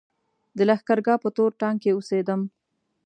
د لښکرګاه په تور ټانګ کې اوسېدم.